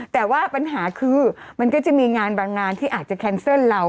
แต่ว่าปัญหาคือมันก็จะมีงานบางงานที่อาจจะแคนเซิลเรา